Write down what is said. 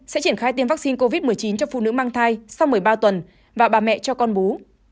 sẽ triển khai tiêm vaccine covid một mươi chín cho phụ nữ mang thai sau một mươi ba tuần và bà mẹ cho con bú